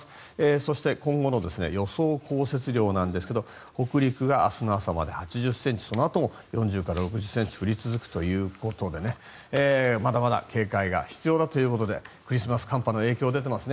そして、今後の予想降雪量ですが北陸が明日の朝まで８０ｃｍそのあとも４０から６０ｃｍ降り続くということで、まだまだ警戒が必要だということでクリスマス寒波の影響が出ていますね。